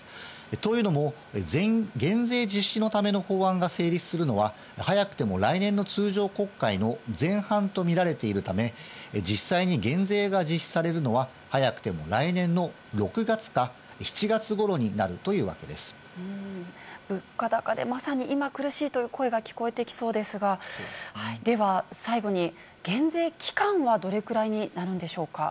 というのも、減税実施のための法案が成立するのは、早くても来年の通常国会の前半と見られているため、実際に減税が実施されるのは、早くても来年の６月か７月ごろに物価高でまさに今、苦しいという声が聞こえてきそうですが、では最後に、減税期間はどれくらいになるんでしょうか？